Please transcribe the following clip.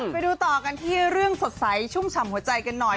ไปดูต่อกันที่เรื่องสดใสชุ่มฉ่ำหัวใจกันหน่อย